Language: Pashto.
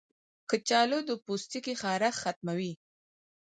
کچالو د پوستکي خارښ ختموي.